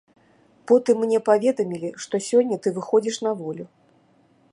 Потым мне паведамілі, што сёння ты выходзіш на волю.